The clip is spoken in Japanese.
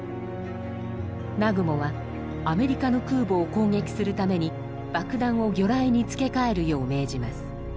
南雲はアメリカの空母を攻撃するために爆弾を魚雷に付け替えるよう命じます。